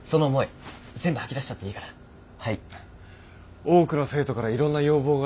多くの生徒からいろんな要望が殺到してるよ。